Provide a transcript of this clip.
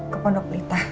ke pondok pita